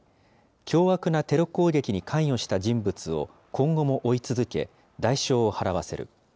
凶悪なテロ攻撃に関与した人物を今後も追い続け、代償を払わせる。